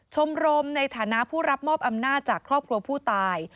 ชมรมในฐานะผู้รับมอบอำนาจจากครอบครัวผู้ตาย